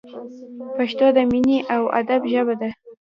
پښتو د مینې او ادب ژبه ده!